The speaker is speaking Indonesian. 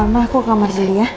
nah aku ke kamar sendiri ya